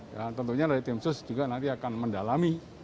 dan tentunya dari tim sus juga nanti akan mendalami